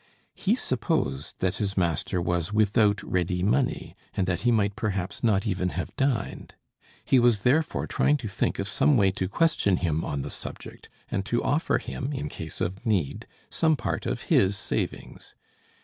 He supposed that his master was without ready money, and that he might perhaps not even have dined. He was therefore trying to think of some way to question him on the subject, and to offer him, in case of need, some part of his savings.